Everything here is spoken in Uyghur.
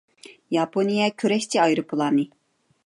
ياپونىيە كۈرەشچى ئايروپىلانى